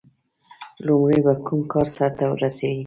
• لومړی به کوم کار سر ته رسوي؟